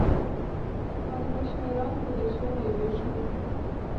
Ад восьмай ранку да сёмай вечара.